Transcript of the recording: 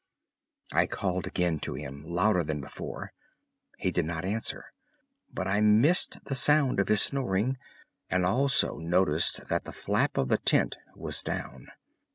I called again to him, louder than before. He did not answer, but I missed the sound of his snoring, and also noticed that the flap of the tent was down.